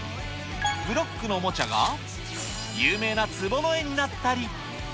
ブロックのおもちゃが有名なつぼの絵になったり。